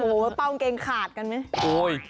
โอ้โฮเปางเกงขาดกันมั้ย